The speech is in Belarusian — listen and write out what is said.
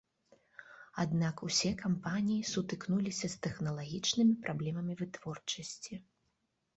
Аднак усе кампаніі сутыкнуліся з тэхналагічнымі праблемамі вытворчасці.